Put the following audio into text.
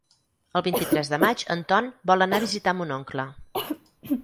El vint-i-tres de maig en Ton vol anar a visitar mon oncle.